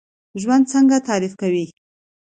ژوند څنګه تعریف کوئ؟